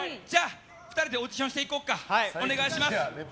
２人でオーディションしていこうか。